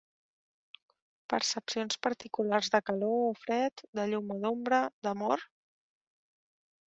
Percepcions particulars de calor o fred, de llum o d'ombra, d'amor?